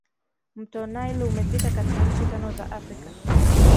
mto nile umepita katika nchi tano za africa